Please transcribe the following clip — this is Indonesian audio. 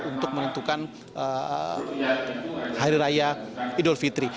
untuk menentukan hari raya idul fitri